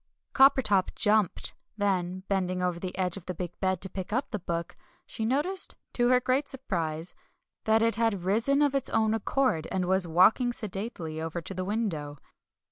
Coppertop jumped. Then, bending over the edge of the big bed to pick up the Book, she noticed, to her great surprise, that it had risen of its own accord, and was walking sedately over to the window.